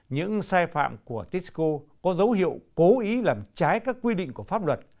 những sai phạm của tisco có dấu hiệu cố ý làm trái các quy định của pháp luật